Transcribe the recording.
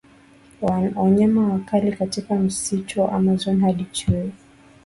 Wanyama wakali katika msitu wa Amazon Hadi chui